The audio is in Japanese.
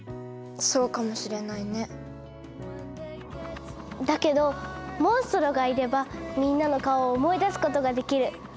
そうかもしれないねだけどモンストロがいればみんなの顔を思い出すことができる。